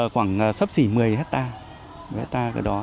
khoảng sấp xỉ một mươi hectare